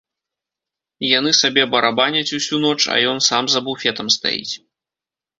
Яны сабе барабаняць усю ноч, а ён сам за буфетам стаіць.